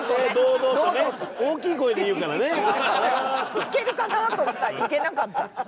いけるかなと？と思ったらいけなかった。